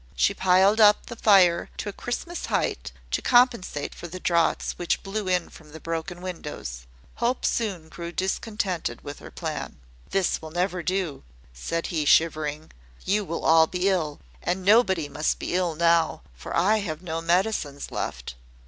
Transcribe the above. She piled up the fire to a Christmas height, to compensate for the draughts which blew in from the broken windows. Hope soon grew discontented with her plan. "This will never do," said he, shivering. "You will all be ill: and nobody must be ill now, for I have no medicines left."